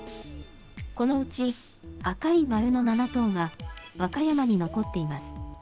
このうち、赤い丸の７頭が、和歌山に残っています。